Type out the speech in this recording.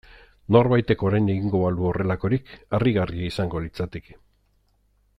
Norbaitek orain egingo balu horrelakorik harrigarria izango litzateke.